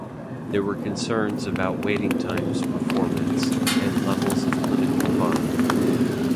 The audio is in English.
There were concerns about waiting times performance, and levels of clinical harm.